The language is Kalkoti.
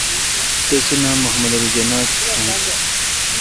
تسی نام محمد علی جناح چونس۔